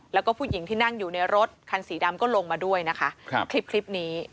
แล้วก็ผู้หญิงที่นั่งอยู่ในรถคันสีดำก็ลงมาด้วยนะคะครับคลิปนี้